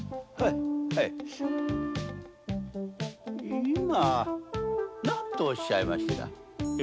いまなんとおっしゃいました？